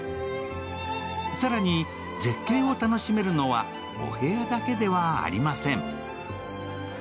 更に絶景を楽しめるのはお部屋だけではありません。